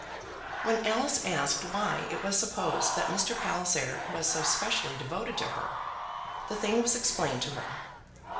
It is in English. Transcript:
When Alice asked why it was supposed that Mr. Palliser was so specially devoted to her, the thing was explained to her.